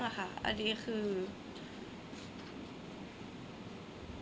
คนเราถ้าใช้ชีวิตมาจนถึงอายุขนาดนี้แล้วค่ะ